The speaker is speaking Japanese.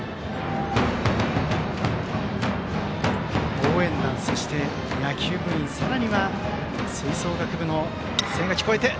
応援団、そして野球部員さらには吹奏楽部の声援が聞こえます。